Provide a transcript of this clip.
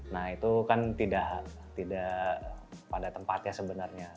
nah itu kan tidak pada tempatnya sebenarnya